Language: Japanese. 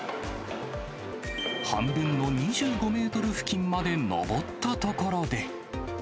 半分の２５メートル付近まで上ったところで。